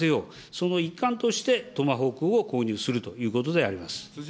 その一環としてトマホークを購入するということであります。